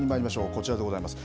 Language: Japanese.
こちらでございます。